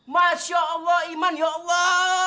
masya allah iman ya allah